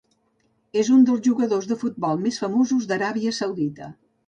És un dels jugadors de futbol més famosos d'Aràbia Saudita.